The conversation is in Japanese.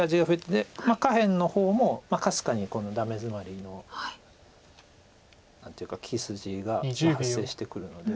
で下辺の方もかすかにダメヅマリの何ていうか利き筋が発生してくるので。